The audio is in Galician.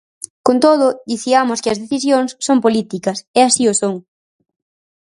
Con todo, diciamos que as decisións son políticas, e así o son.